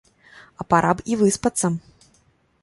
А пара б і выспацца!